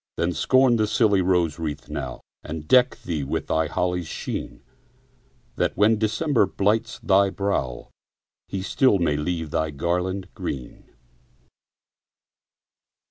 Then, scorn the silly rose wreath now, And deck thee with the holly's sheen, That, when December blights thy brow, He still may leave thy garland green.